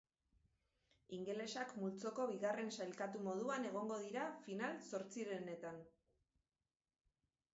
Ingelesak multzoko bigarren sailkatu moduan egongo dira final-zortzirenetan.